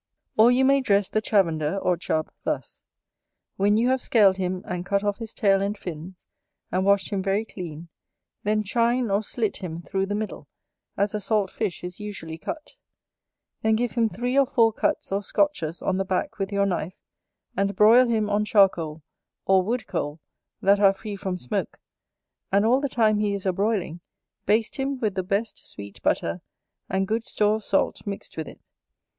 Or you may dress the Chavender or Chub thus: When you have scaled him, and cut off his tail and fins, and washed him very clean, then chine or slit him through the middle, as a salt fish is usually cut; then give him three or four cuts or scotches on the back with your knife, and broil him on charcoal, or wood coal, that are free from smoke; and all the time he is a broiling, baste him with the best sweet butter, and good store of salt mixed with it.